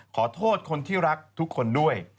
ขอโทษคนที่รักทุกคนด้วย